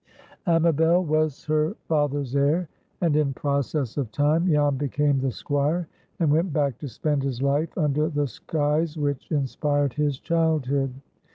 Amabel was her father's heir, and in process of time Jan became the Squire, and went back to spend his life under the skies which inspired his childhood.